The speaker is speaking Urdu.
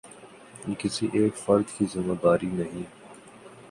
یہ کسی ایک فرد کی ذمہ داری نہیں۔